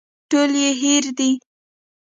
ټول يې هېر دي.